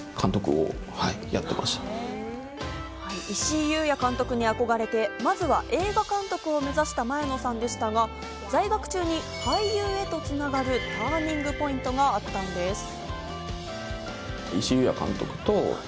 石井裕也監督に憧れて、まずは映画監督を目指した前野さんでしたが在学中に俳優へとつながる、ターニングポイントがあったのです。